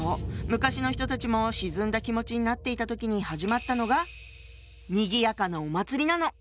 昔の人たちも沈んだ気持ちになっていた時に始まったのがにぎやかなお祭りなの！